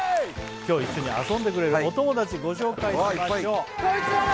今日一緒に遊んでくれるお友達ご紹介しましょうこいつら！